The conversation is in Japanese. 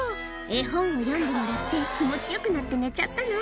絵本を読んでもらって、気持ちよくなって寝ちゃったの？